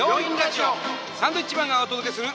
サンドウィッチマンがお届けする。